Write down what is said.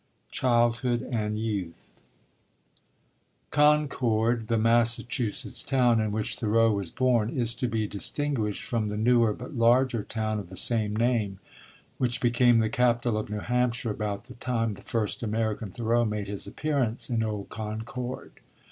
CHILDHOOD AND YOUTH. Concord, the Massachusetts town in which Thoreau was born, is to be distinguished from the newer but larger town of the same name which became the capital of New Hampshire about the time the first American Thoreau made his appearance in "old Concord."